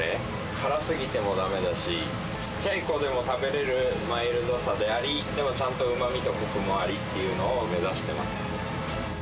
辛すぎてもだめだし、ちっちゃい子でも食べれるマイルドさであり、でもちゃんとうまみとこくもありっていうのを目指してます。